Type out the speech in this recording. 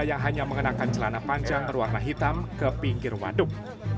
yang hanya mengenakan celana panjang berwarna hitam ke pinggir waduk